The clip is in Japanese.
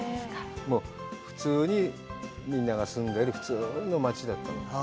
普通にみんなが住んでる普通の町だったの。